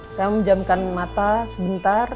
saya menjamkan mata sebentar